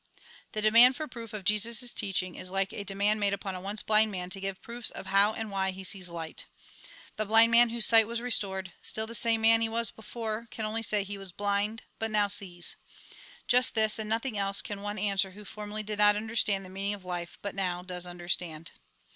'' The demand for proof of Jesus' teaching is like a demand made upon a once blind man, to give proofs of how and why he sees light. The blind man whose sight was restored, still the same man he was before, can only say, he was blind, but now sees. Just this, and nothing else, can one answer who formerly did not understand the meaning of life, but now does understand.